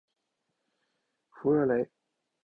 弗热雷。